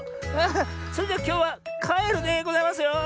それじゃきょうはかえるでございますよ。